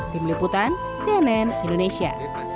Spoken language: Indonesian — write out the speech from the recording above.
tim liputan cnn indonesia